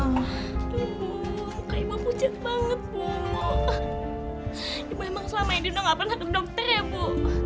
tuh muka ibu pucat banget bu ibu memang selama ini udah nggak pernah ke dokter ya bu